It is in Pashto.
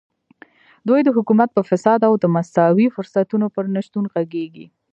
دوی د حکومت په فساد او د مساوي فرصتونو پر نشتون غږېږي.